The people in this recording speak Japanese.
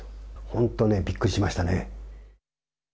本当ね、びっくりしましたね。